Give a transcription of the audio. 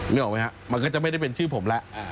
นึกออกไหมครับมันก็จะไม่ได้เป็นชื่อผมแล้ว